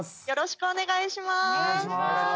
よろしくお願いします。